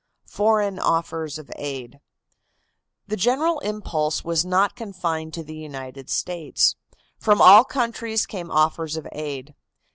FOREIGN OFFERS OF AID. The generous impulse was not confined to the United States. From all countries came offers of aid.